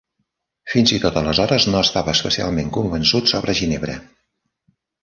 Fins i tot aleshores no estava especialment convençut sobre Ginebra.